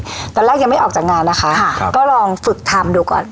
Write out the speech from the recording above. แต่และตอนแรกยังไม่ออกจากงานนะคะก็ลองฝึกทำดูก่อน